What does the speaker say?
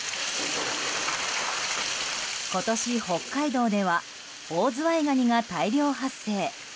今年、北海道ではオオズワイガニが大量発生。